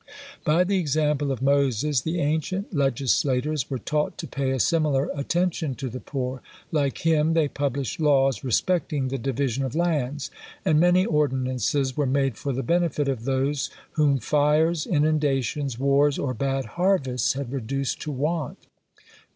By the example of Moses, the ancient legislators were taught to pay a similar attention to the poor. Like him, they published laws respecting the division of lands; and many ordinances were made for the benefit of those whom fires, inundations, wars, or bad harvests had reduced to want.